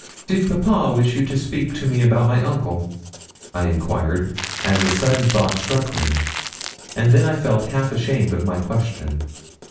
'Did papa wish you to speak to me about my uncle?' I enquired, as a sudden thought struck me; and then I felt half ashamed of my question.